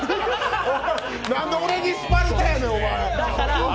なんで俺にスパルタやねん、お前！